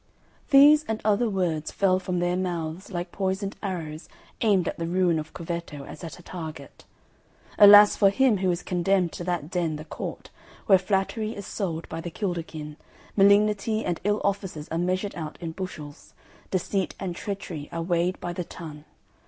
These and other words fell from their mouths like poisoned arrows aimed at the ruin of Corvetto as at a target. Alas for him who is condemned to that den the Court, where flattery is sold by the kilderkin, malignity and ill offices are measured out in bushels, deceit and treachery are weighed by the ton!